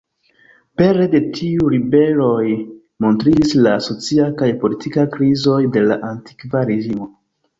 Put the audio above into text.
Pere de tiuj ribeloj, montriĝis la socia kaj politika krizoj de la Antikva Reĝimo.